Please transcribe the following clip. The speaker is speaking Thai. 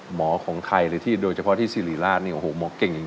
หมอของใครหรือที่โดยเฉพาะที่ศิริราชหมอเก่งจริง